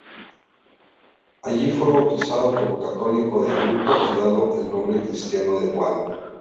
Allí, fue bautizado como católico de adulto y dado el nombre cristiano de Juan.